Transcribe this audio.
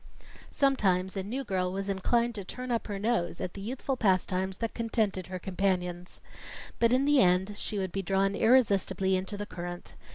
Sometimes a new girl was inclined to turn up her nose at the youthful pastimes that contented her companions. But in the end she would be drawn irresistibly into the current.